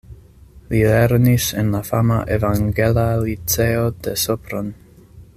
Li lernis en la fama Evangela Liceo de Sopron.